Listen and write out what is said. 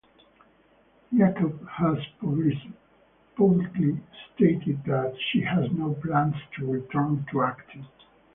Jakub has publicly stated that she has no plans to return to acting.